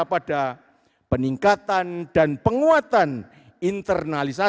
kebetulan dahulu banyak tabuk menghendakkan ini lebih ketapa demikianris vulgar dan kefarifikan banyak rice sidat